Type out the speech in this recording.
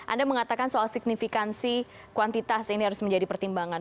anda mengatakan soal signifikansi kuantitas ini harus menjadi pertimbangan